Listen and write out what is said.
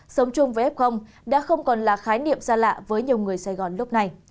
sống chung với f đã không còn là khái niệm xa lạ với nhiều người sài gòn lúc này